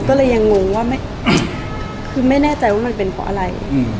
ก็เลยยังงงว่าคือไม่แน่ใจว่ามันเป็นเพราะอะไร